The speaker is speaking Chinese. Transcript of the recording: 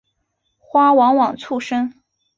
花往往簇生。